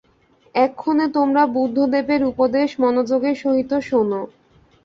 এক্ষণে তোমরা বুদ্ধদেবের উপদেশ মনোযোগের সহিত শোন।